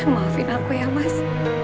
basing aku ya mas